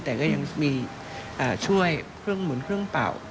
แต่ก็ยังมีช่วยเครื่องหมุนเครื่องเป่า